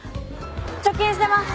貯金してます」